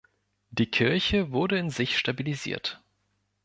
Die Kirche wurde in sich stabilisiert.